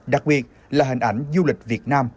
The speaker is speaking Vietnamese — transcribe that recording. đặc biệt là hình ảnh du lịch việt nam